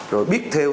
rồi biết thêu